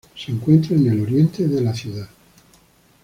Se encuentra en el oriente de la ciudad.